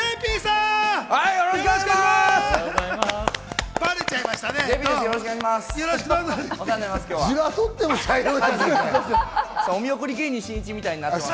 ＪＰさん、よろしくお願いします。